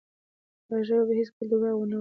دا ژبه به هیڅکله درواغ ونه وایي.